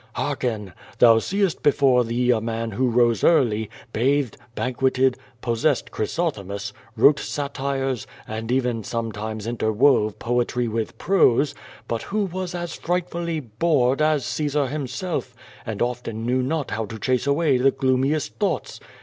Hearken! Thou seest before thee a man who rose early, bathed, banqueted, possessed Chrysothemis, wrote satires, and even sometimes interwove poetry with prose, but who was as frightfully bored as Caesar himself, and often knew not how to chase away the gloomiest thoughts.